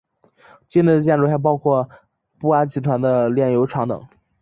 境内的建筑还包括布阿集团的炼油厂等。